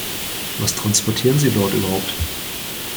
Was transportieren Sie dort überhaupt?